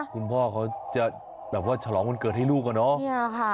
คุณพ่อเขาจะแบบว่าฉลองวันเกิดให้ลูกอะเนาะ